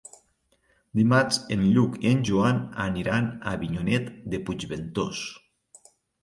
Dimarts en Lluc i en Joan aniran a Avinyonet de Puigventós.